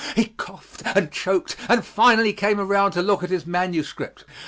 He coughed and choked and finally came around to look at his manuscript.